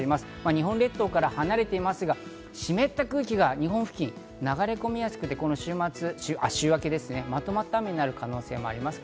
日本列島から離れていきますが、湿った空気が日本付近に流れ込みやすくて週明け、まとまった雨になる可能性もあります。